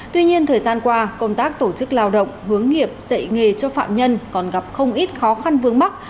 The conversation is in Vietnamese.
tuy nhiên thời gian qua công tác tổ chức lao động hướng nghiệp dạy nghề cho phạm nhân còn gặp không ít khó khăn vướng mắt